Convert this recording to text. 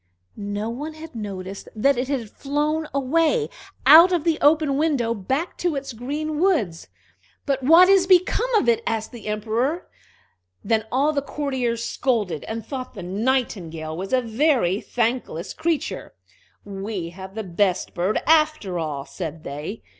No one had noticed that it had flown away, out of the open window, back to its green woods. "But what is become of it?" asked the Emperor. Then all the courtiers scolded, and thought the Nightingale was a very thankless creature. "We have the best bird, after all," said they.